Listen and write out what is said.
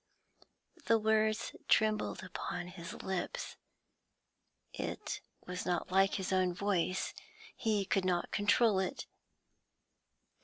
The words trembled upon his lips; it was not like his own voice, he could not control it.